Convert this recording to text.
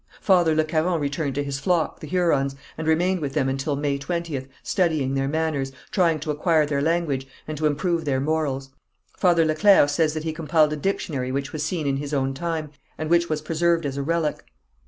Father Le Caron returned to his flock, the Hurons, and remained with them until May 20th, studying their manners, trying to acquire their language, and to improve their morals. Father Le Clercq says that he compiled a dictionary which was seen in his own time, and which was preserved as a relic.